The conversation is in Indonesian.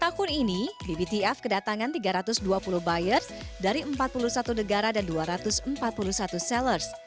tahun ini bbtf kedatangan tiga ratus dua puluh buyers dari empat puluh satu negara dan dua ratus empat puluh satu sellers